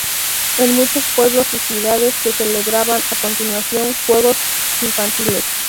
En muchos pueblos y ciudades se celebraban a continuación juegos infantiles.